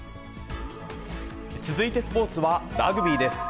続いてスポーツはラグビーです。